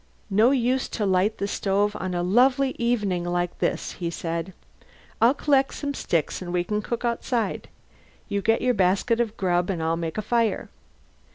"No use to light the stove on a lovely evening like this," he said. "I'll collect some sticks and we can cook outside. You get out your basket of grub and I'll make a fire."